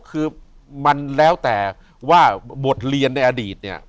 คือมันแล้วแต่ว่าบทเรียนในอดีตเนี่ย